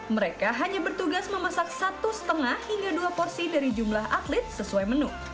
mereka hanya bertugas memasak satu lima hingga dua porsi dari jumlah atlet sesuai menu